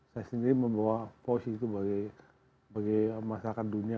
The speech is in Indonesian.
saya sendiri membawa pos itu bagi masyarakat dunia